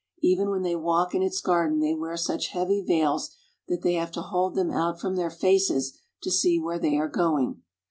' Even when they walk in its garden they wear such heavy veils that they have to hold them out from their faces to see where they are going.